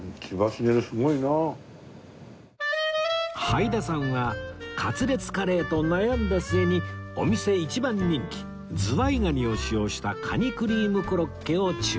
はいださんはカツレツカレーと悩んだ末にお店一番人気ズワイガニを使用したカニクリームコロッケを注文